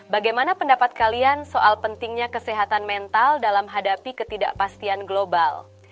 bagaimana pendapat kalian soal pentingnya kesehatan mental dalam hadapi ketidakpastian global